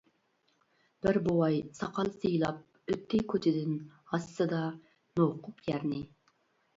بىر بوۋاي ساقال سىيلاپ، ئۆتتى كوچىدىن، ھاسىسىدا نوقۇپ يەرنى.